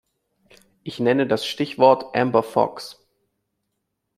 Ich nenne das Stichwort Amber Fox.